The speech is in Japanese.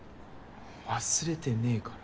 忘れてねぇから。